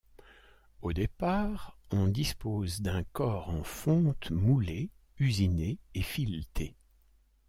Au départ, on dispose d'un corps en fonte moulé, usiné et fileté.